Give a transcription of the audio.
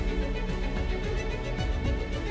saya merasa terlalu baik